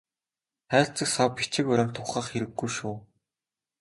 Хайрцаг сав бичиг баримт ухах хэрэггүй шүү.